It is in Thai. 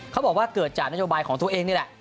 เขาบอกว่าเกิดจากนโยบายของตัวเองนี่แหละ